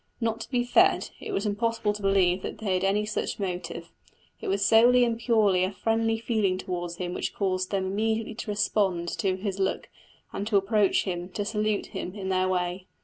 Not to be fed it was impossible to believe that they had any such motive; it was solely and purely a friendly feeling towards him which caused them immediately to respond to his look, and to approach him, to salute him, in their way.